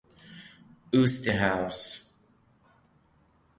Oosterhuis.